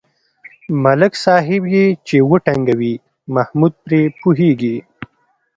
ملک صاحب یې چې و ټنگوي محمود پرې پوهېږي.